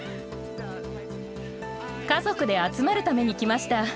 家族で集まるために来ました。